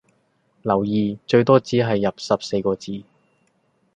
留意最多只係入十四個字